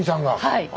はい。